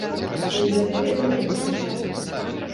Ці не за гэта яму помсцяць?